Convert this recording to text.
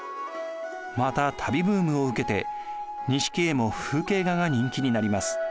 また旅ブームを受けて錦絵も風景画が人気になります。